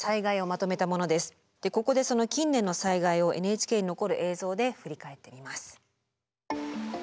ここで近年の災害をＮＨＫに残る映像で振り返ってみます。